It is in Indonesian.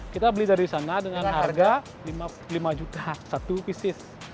kita beli dari sana dengan harga lima juta satu pisis